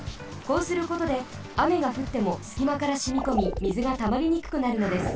こうすることであめがふってもすきまからしみこみみずがたまりにくくなるのです。